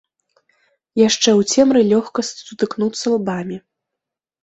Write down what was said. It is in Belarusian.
Яшчэ ў цемры лёгка сутыкнуцца лбамі.